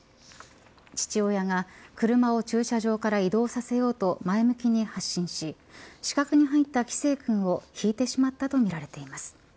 父親が車を駐車場から移動させようと前向きに発進し死角に入った輝星君をひいてしまったとみられています。